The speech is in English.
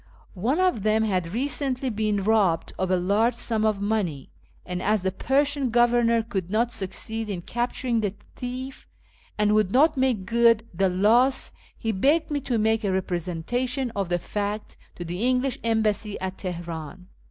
One of them had recently been robbed of a large sum of money, and, as the Persian Governor could not succeed in capturing the thief, and would not make good the loss, he begged me to make a representation of the facts to the English Embassy at Teheran.